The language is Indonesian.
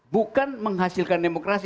bukan menghasilkan demokrasi